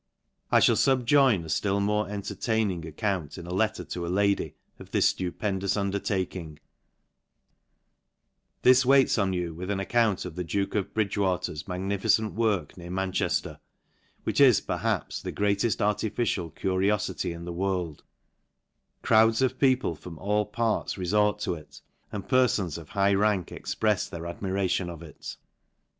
I fhall fubjoin a ftill more entertaining account, in a letter to a lady, of this ftupendous undertaking : This waits on you with an account of the duke of Bridge water's magnificent work near Manchefter^ which is, perhaps, the greateft artificial curiofity in the world ; crowds of people from all parts refort to it, and perfons of high rank exprefs their admira tion of it.